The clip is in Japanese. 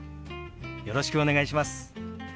よろしくお願いします。